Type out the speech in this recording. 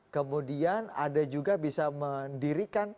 kemudian ada juga bisa mendirikan